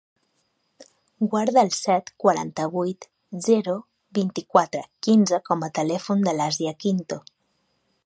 Guarda el set, quaranta-vuit, zero, vint-i-quatre, quinze com a telèfon de l'Àsia Quinto.